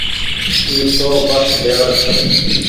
اي تو بس ڍيور ڇي۔